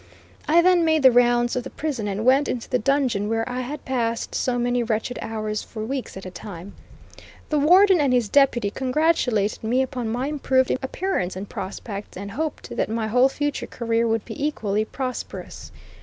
I then made the rounds of the prison, and went into the dungeon where I had passed so many wretched hours for weeks at a time. The warden and his deputy congratulated me upon my improved appearance and prospects, and hoped that my whole future career would be equally prosperous.